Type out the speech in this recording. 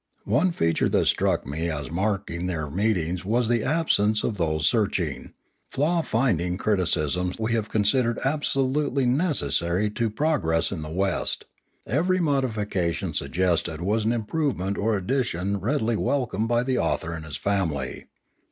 One feature that struck me as mark ing their meetings was the absence of those search ing, flaw finding criticisms we would have considered absolutely necessary to progress in the West; every 33 5H Limanora modification suggested was an improvement or addition readily welcomed by the author and his family.